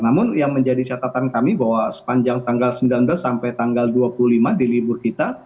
namun yang menjadi catatan kami bahwa sepanjang tanggal sembilan belas sampai tanggal dua puluh lima di libur kita